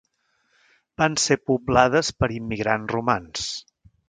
Van ser poblades per immigrants romans.